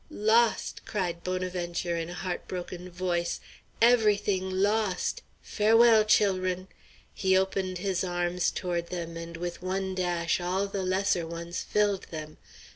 "Lost!" cried Bonaventure in a heart broken voice. "Every thing lost! Farewell, chil'run!" He opened his arms toward them and with one dash all the lesser ones filled them.